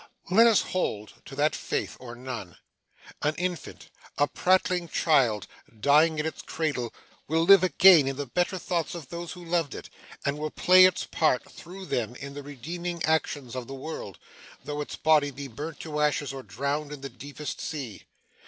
Let us hold to that faith, or none. An infant, a prattling child, dying in its cradle, will live again in the better thoughts of those who loved it, and will play its part, through them, in the redeeming actions of the world, though its body be burnt to ashes or drowned in the deepest sea.